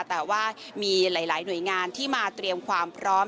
แต่ว่ามีหลายหน่วยงานที่มาเตรียมความพร้อม